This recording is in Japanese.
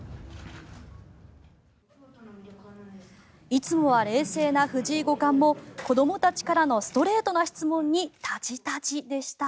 いつもは冷静な藤井五冠も子どもたちからのストレートな質問にたじたじでした。